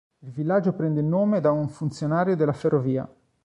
Il villaggio prende il nome da un funzionario della ferrovia.